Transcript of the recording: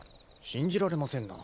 信じられませんな。